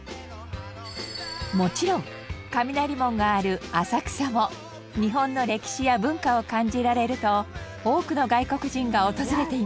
もちろん雷門がある浅草も日本の歴史や文化を感じられると多くの外国人が訪れています。